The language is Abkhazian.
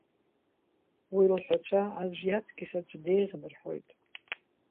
Уи лҳәацәа аӡә иаҵкыс аӡә деиӷьын, — рҳәеит.